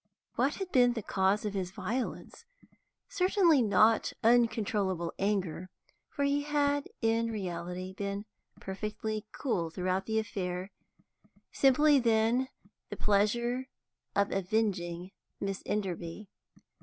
What had been the cause of his violence? Certainly not uncontrollable anger, for he had in reality been perfectly cool throughout the affair; simply, then, the pleasure of avenging Miss Enderby.